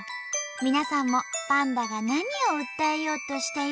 皆さんもパンダが何を訴えようとしているのか考えてね。